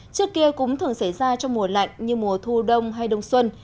trước kia cúm thường xảy ra trong mùa lạnh như mùa thu đông hay đông xuân